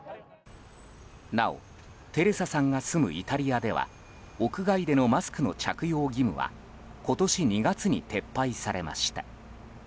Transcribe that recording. なお、テレサさんが住むイタリアでは屋外でのマスクの着用義務は今年２月に撤廃されました。